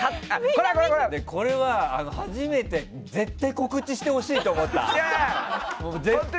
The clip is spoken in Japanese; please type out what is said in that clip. これは、初めて絶対に告知してほしいと思った。